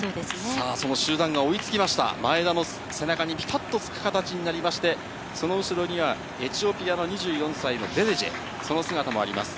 さあ、その集団が追いつきました、前田の背中にぴたっとつく形になりまして、その後ろには、エチオピアの２４歳のデレジェ、その姿もあります。